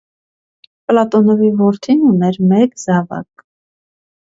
Պլատոնովի որդին ուներ մեկ զավակ։